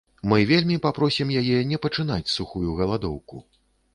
Мы вельмі папросім яе не пачынаць сухую галадоўку.